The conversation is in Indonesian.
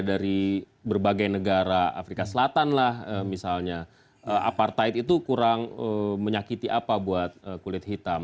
dari berbagai negara afrika selatan lah misalnya apartight itu kurang menyakiti apa buat kulit hitam